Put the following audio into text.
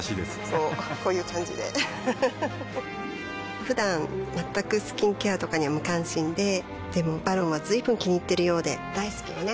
こうこういう感じでうふふふだん全くスキンケアとかに無関心ででも「ＶＡＲＯＮ」は随分気にいっているようで大好きよね